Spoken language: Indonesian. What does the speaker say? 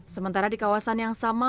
sementara di kawasan yang sama